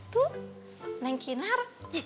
tuh neng kinar